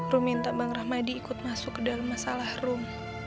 ru minta bang rahmadi ikut masuk ke dalam masalah room